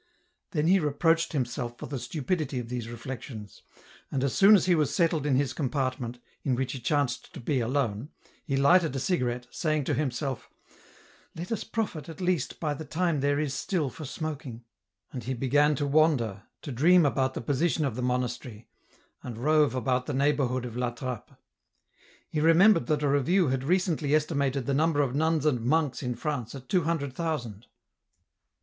Then he reproached himself for the stupidity of these reflections, and as soon as he was settled in his compart ment, in which he chanced to be alone, he lighted a cigarette, saying to himself, " Let uS profit at least by the time there is still for smoking," and he began to wander, to dream about the position of the monastery, and rove about the neighbourhood of La Trappe. He remembered that a review had recently estimated the number of nuns and monks in France at two hundred thousand.